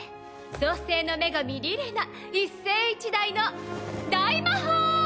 創世の女神リレナ一世一代の大魔法！